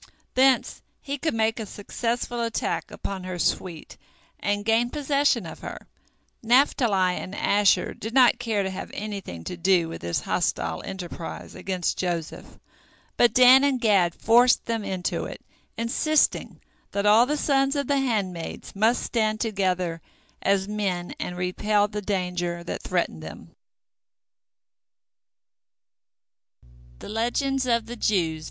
Thence he could make a successful attack upon her suite, and gain possession of her. Naphtali and Asher did not care to have anything to do with this hostile enterprise against Joseph, but Dan and Gad forced them into it, insisting that all the sons of the handmaids must stand together as men and repel the danger that threatened them.